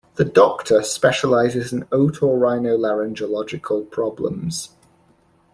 The doctor specializes in Otorhinolaryngological problems.